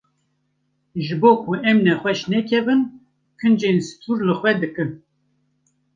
Ji bo ku em nexweş nekevin, kincên stûr li xwe dikin.